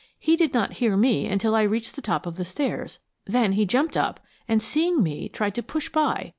He did not hear me until I reached the top of the stairs. Then he jumped up, and seeing me, tried to push by.